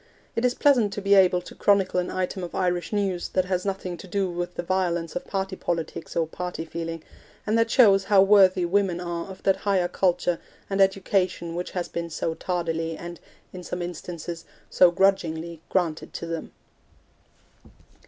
It is pleasant to be able to chronicle an item of Irish news that has nothing to do with the violence of party politics or party feeling, and that shows how worthy women are of that higher culture and education which has been so tardily and, in some instances, so grudgingly granted to them.